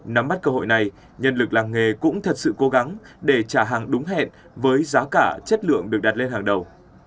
nắm mắt cơ hội này nhân lực làng nghề cũng thật sự cố gắng để trả hàng đúng hẹn với giá cả chất lượng được đặt lên hàng đầu